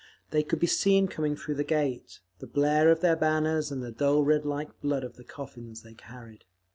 They could be seen coming through the Gate, the blare of their banners, and the dull red—like blood—of the coffins they carried.